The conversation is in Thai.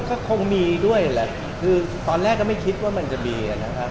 ก็คงมีด้วยแหละคือตอนแรกก็ไม่คิดว่ามันจะมีนะครับ